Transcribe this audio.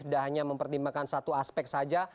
tidak hanya mempertimbangkan satu aspek saja